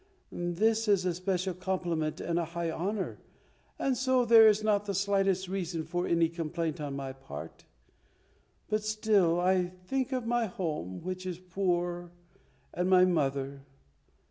This is a special compliment and a high honour, and so there is not the slightest reason for any complaint on my part. But still, I think of my home, which is poor, and my mother.